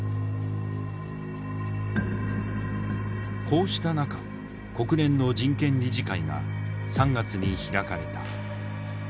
こうした中国連の人権理事会が３月に開かれた。